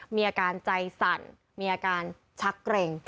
มีอาการใจสั่นมีอาการชักเกร็ง